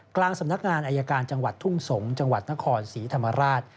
กลางสำนักงานอายการจังหวัดทุ่งสงศ์จังหวัดนครศรีธรรมราช